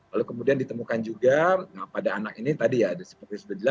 lalu kemudian ditemukan juga pada anak ini tadi ya ada seperti sudah di dalam